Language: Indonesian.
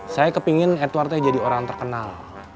saya kepengen edward teh jadi orang terkenal